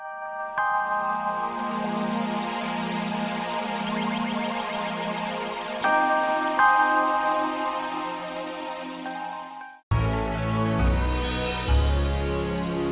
kau tidak bisa menang